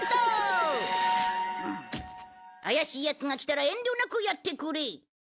怪しいヤツが来たら遠慮なくやってくれ。